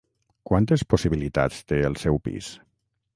Quantes possibilitats té el seu pis?